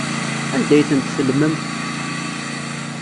Anda ay tent-tellmemt?